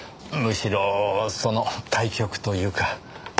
むしろその対極というか。